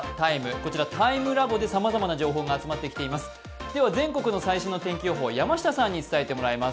こちらＴＩＭＥＬＡＢＯでさまざまな情報が集まってきています。